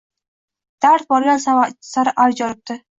Dard borgan sari avj olibdi.